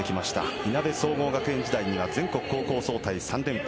いなべ総合学園時代には全国高校総体３連覇。